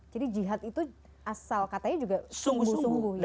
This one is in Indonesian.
jadi jihad itu asal katanya juga sungguh sungguh ya